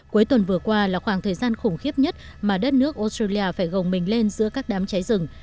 cuối tuần vừa qua là khoảng thời gian khủng khiếp nhất mà đất nước australia phải gồng mình lên giữa các đám cháy rừng